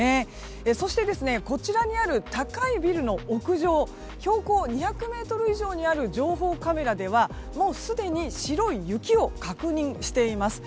そして、こちらにある高いビルの屋上標高２００ｍ以上にある情報カメラではもうすでに白い雪を確認しています。